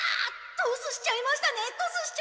トスしちゃいましたね。